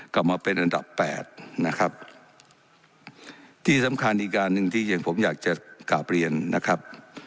กลับมาเป็นอันดับแปดนะครับที่สำคัญอีกอันหนึ่งที่อย่างผมอยากจะกลับเรียนนะครับ